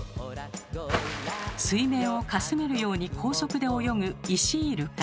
水面をかすめるように高速で泳ぐイシイルカ。